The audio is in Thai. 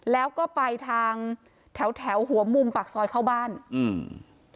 แล้วก็ไปทางแถวแถวหัวมุมปากซอยเข้าบ้านอืม